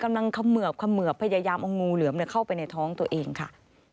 เขมือบเขมือบพยายามเอางูเหลือมเข้าไปในท้องตัวเองค่ะ